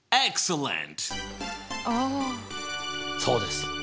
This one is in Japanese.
そうです！